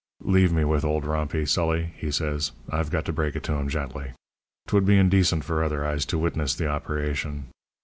"'Leave me with old Rompey, Sully,' he says. 'I've got to break it to him gently. 'Twould be indecent for other eyes to witness the operation.